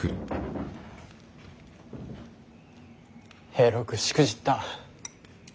平六しくじった。